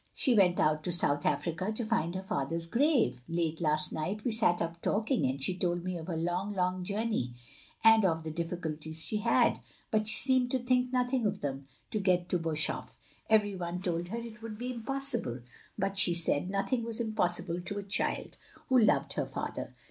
"She went out to South Africa — ^to find her father's grave. Late last night we sat up talking, and she told me of her long, long journey, and of the difficulties she had — ^but she seemed to think nothing of them — ^to get to Boshof. Every one told her it would be impossible, but she said nothing was impossible to a child who loved her father.